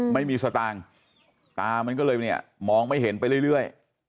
ไม่มีสตางค์ตามันก็เลยเนี่ยมองไม่เห็นไปเรื่อย